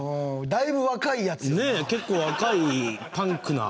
だいぶ若いやつよな。